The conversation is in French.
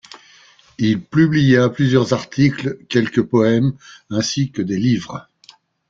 Il publia plusieurs articles, quelques poèmes ainsi que des livres.